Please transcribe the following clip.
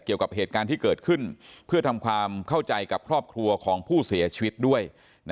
เกี่ยวกับเหตุการณ์ที่เกิดขึ้นเพื่อทำความเข้าใจกับครอบครัวของผู้เสียชีวิตด้วย